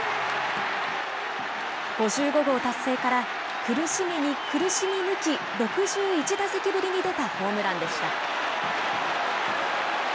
５５号達成から苦しみに苦しみ抜き、６１打席ぶりに出たホームランでした。